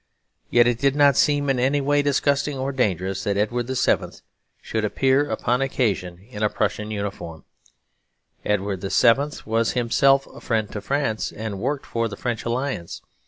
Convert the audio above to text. Yet it did not seem in any way disgusting or dangerous that Edward VII. should appear upon occasion in a Prussian uniform. Edward VII. was himself a friend to France, and worked for the French Alliance.